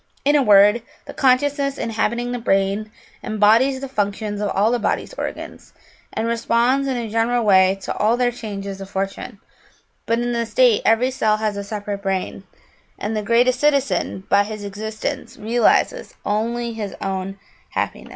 In a word, the consciousness inhabiting the brain embodies the functions of all the body's organs, and responds in a general way to all their changes of fortune, but in the state every cell has a separate brain, and the greatest citizen, by his existence, realises only his own happiness.